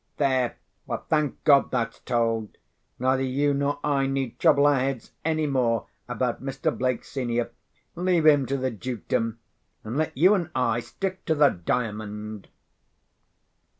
There! thank God, that's told! Neither you nor I need trouble our heads any more about Mr. Blake, senior. Leave him to the Dukedom; and let you and I stick to the Diamond.